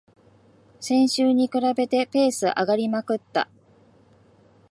先週に比べてペース上がりまくった